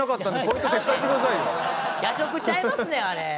夜食ちゃいますねんあれ。